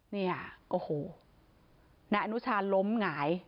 เนี่ยโอ้โหนายอนุชาล้มหงาย